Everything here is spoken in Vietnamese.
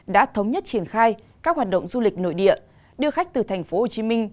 đã thống nhất triển khai các hoạt động du lịch nội địa đưa khách từ thành phố hồ chí minh